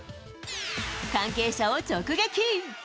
関係者を直撃。